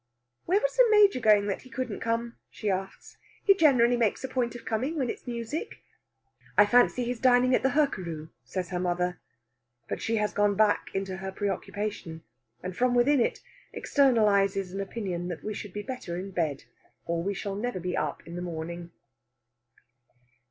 "Where was the Major going that he couldn't come?" she asks. "He generally makes a point of coming when it's music." "I fancy he's dining at the Hurkaru," says her mother. But she has gone back into her preoccupation, and from within it externalises an opinion that we should be better in bed, or we shall never be up in the morning.